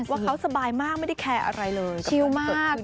ว่าเขาสบายมากไม่ได้แคร์อะไรเลยชิวมาก